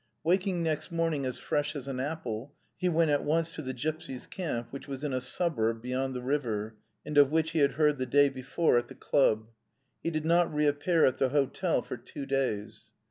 Waking next morning as fresh as an apple, he went at once to the gipsies' camp, which was in a suburb beyond the river, and of which he had heard the day before at the club. He did not reappear at the hotel for two days.